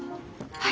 はい。